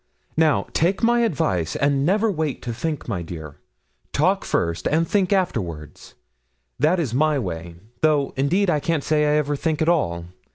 Now, take my advice, and never wait to think my dear; talk first, and think afterwards, that is my way; though, indeed, I can't say I ever think at all.